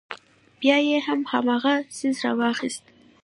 بيا يې هم هماغه څيز راواخيست.